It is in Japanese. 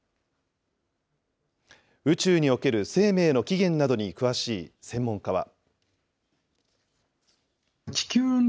宇宙における生命の起源などに詳しい専門家は。